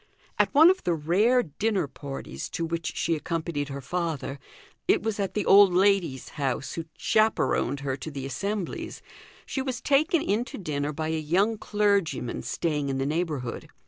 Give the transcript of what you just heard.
At one of the rare dinner parties to which she accompanied her father it was at the old lady's house who chaperoned her to the assemblies she was taken in to dinner by a young clergyman staying in the neighbourhood.